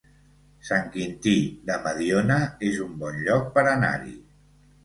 Sant Quintí de Mediona es un bon lloc per anar-hi